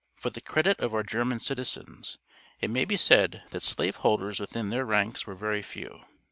For the credit of our German citizens, it may be said, that slave holders within their ranks were very few.